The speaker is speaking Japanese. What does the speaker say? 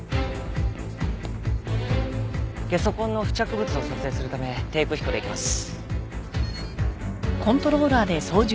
ゲソ痕の付着物を撮影するため低空飛行で行きます。